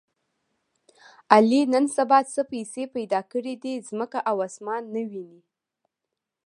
علي نن سبا څه پیسې پیدا کړې دي، ځمکه او اسمان نه ویني.